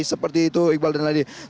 seperti itu iqbal dan lady